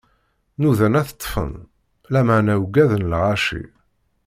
Nudan ad t-ṭṭfen, lameɛna ugaden lɣaci.